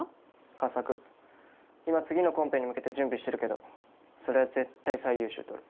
佳作今次のコンペに向けて準備してるけどそれは絶対最優秀とる